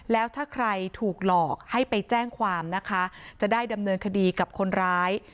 แล้วถ้าใครถูกหลอกให้ไปแจ้งความนะคะจะได้ดำเนินคดีกับคนร้าย